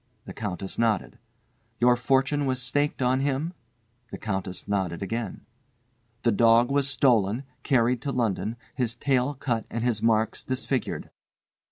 The Countess nodded. "Your fortune was staked on him?" The Countess nodded again. "The dog was stolen, carried to London, his tail cut and his marks disfigured."